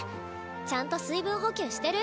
ちゃんと水分補給してる？